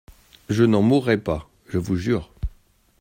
Je n'en mourrai pas, je vous jure.